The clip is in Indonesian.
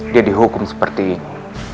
dia dihukum seperti ini